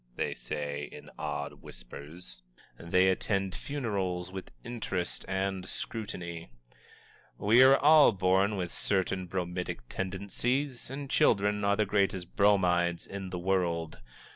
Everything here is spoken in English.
they say, in awed whispers. They attend funerals with interest and scrutiny. We are all born with certain bromidic tendencies, and children are the greatest bromides in the world.